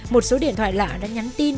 một số điện thoại lạ đã nhắn tin